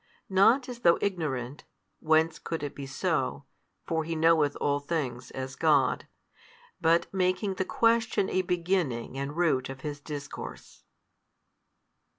not as though ignorant (whence could it be so?), for He knoweth all things, as God; but making the question a beginning and root of His discourse.